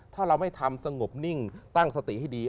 ถ้าเราไม่ทำสงบนิ่งตั้งสติให้ดี